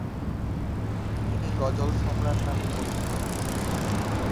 তিনি "গজল-সম্রাট" নামে পরিচিত।